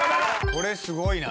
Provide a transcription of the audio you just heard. これすごいな。